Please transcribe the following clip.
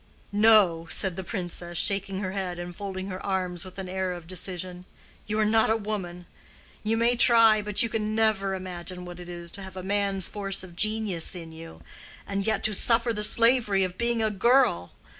"No," said the Princess, shaking her head and folding her arms with an air of decision. "You are not a woman. You may try—but you can never imagine what it is to have a man's force of genius in you, and yet to suffer the slavery of being a girl.